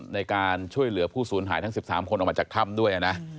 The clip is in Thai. ในการช่วยเหลือผู้สูญหายทั้ง๑๓คนออกมาจากถ้ำด้วยนะ